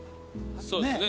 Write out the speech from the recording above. そうですね。